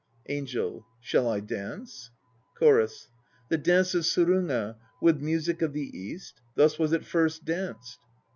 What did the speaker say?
ANGEL. Shall I dance? CHORUS. The dance of Suruga, with music of the East? Thus was it first danced.